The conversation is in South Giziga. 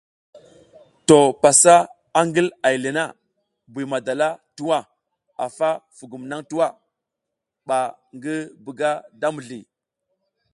To pasa ngil ay le na, Buy madala twa a fa fugum naŋ twa ɓa ngi buga da mizli.